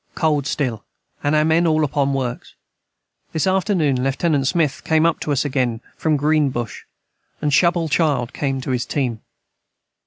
Cold stil & our men all upon works this afternoon Lieut. Smith came up to us again from Green Bush, & Shubal child came to his team.